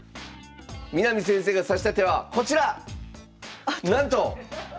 南先生が指した手はこちら！